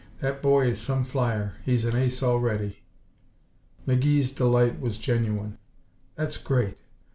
That boy is some flyer! He's an ace already." McGee's delight was genuine. "That's great!